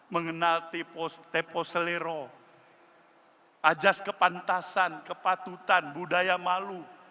mengenal teposelero ajas kepantasan kepatutan budaya malu